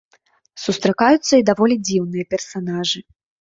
Сустракаюцца і даволі дзіўныя персанажы.